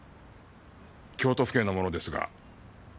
京都府警の者ですが。